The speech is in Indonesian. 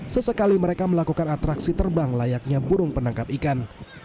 sesekali mereka melakukan atraksi terbang layaknya burung penangkap ikan